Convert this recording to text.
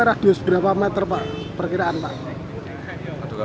radius berapa meter pak perkiraan pak